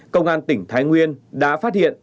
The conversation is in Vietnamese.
công an tỉnh thái nguyên đã phát hiện